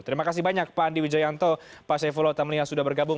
terima kasih banyak pak andi widjojanto pak sayevolo tamliah sudah bergabung